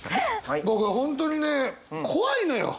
僕は本当にね怖いのよ。